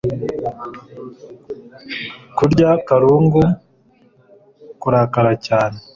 kurya karungu kurakara cyane